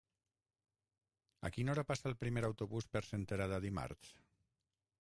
A quina hora passa el primer autobús per Senterada dimarts?